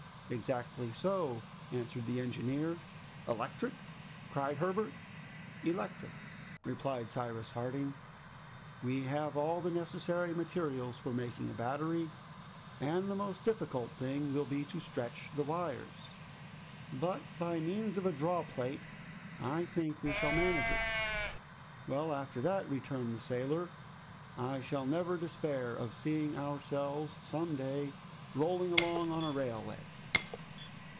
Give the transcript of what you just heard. "Exactly so," answered the engineer. "Electric?" cried Herbert. "Electric," replied Cyrus Harding. "We have all the necessary materials for making a battery, and the most difficult thing will be to stretch the wires, but by means of a drawplate I think we shall manage it." "Well, after that," returned the sailor, "I shall never despair of seeing ourselves some day rolling along on a railway!"